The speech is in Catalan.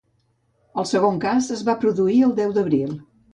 El segon cas es va produir el deu d’abril.